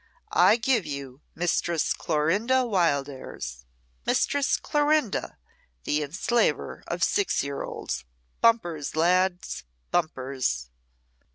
I give you, Mistress Clorinda Wildairs Mistress Clorinda, the enslaver of six years old bumpers, lads! bumpers!"